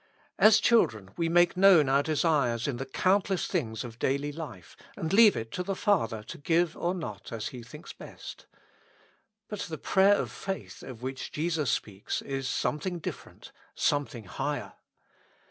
As children we make known our desires in the countless things of daily life, and leave it to the Father to give or not as He thinks best. But the prayer of faith of which Jesus speaks is something different, something higher.